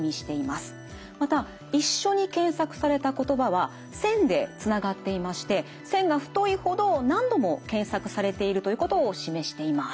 また一緒に検索された言葉は線でつながっていまして線が太いほど何度も検索されているということを示しています。